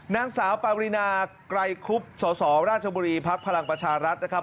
นางสาวปารินาไกรคุบสสราชบุรีภักดิ์พลังประชารัฐนะครับ